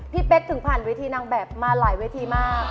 เป๊กถึงผ่านเวทีนางแบบมาหลายเวทีมาก